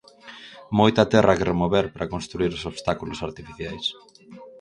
Moita terra que remover para construír os obstáculos artificiais.